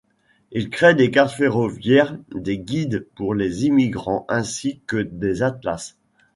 Il crée des cartes ferroviaires, des guides pour les immigrants, ainsi que des atlas.